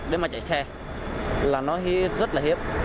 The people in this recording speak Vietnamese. để mà chạy xe là nó rất là hiếp